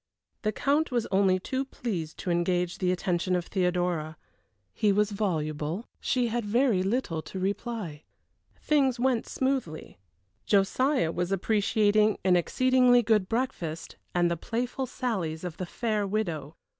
The Count was only too pleased to engage the attention of Theodora. He was voluble; she had very little to reply. Things went smoothly. Josiah was appreciating an exceedingly good breakfast, and the playful sallies of the fair widow.